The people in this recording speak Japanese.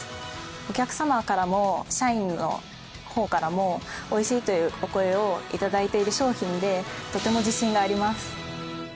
お客様からも社員の方からも美味しいというお声を頂いている商品でとても自信があります！